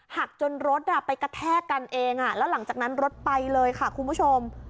หักจนรถไปกระแทกกันเองแล้วหลังจากนั้นรถไปเลยค่ะคุณผู้ชม